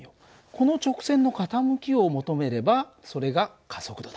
この直線の傾きを求めればそれが加速度だ。